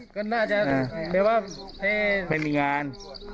ก็น่าจะแบบว่าไม่มีงาน